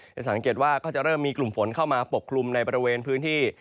จะสังเกตว่าก็จะเริ่มมีกลุ่มฝนเข้ามาปกคลุมในบริเวณพื้นที่